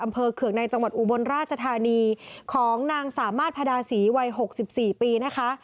เคืองในจังหวัดอุบลราชธานีของนางสามารถพระดาศรีวัย๖๔ปีนะคะ